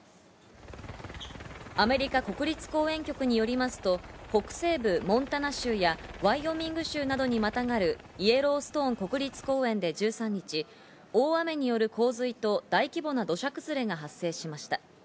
アメリカ国立公園局によりますと、北西部モンタナ州やワイオミング州などにまたがるイエローストーン国立公園で１３日、大雨による洪水と大規模な土砂崩れが発生しました。